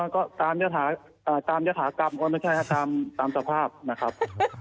ก็ตามยฐากรรมก็ไม่ใช่ตามสภาพนะครับ